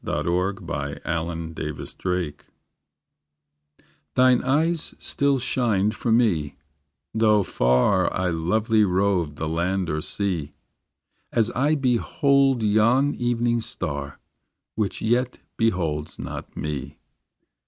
THINE EYES STILL SHINED Thine eyes still shined for me, though far I lonely roved the land or sea: As I behold yon evening star, Which yet beholds not me.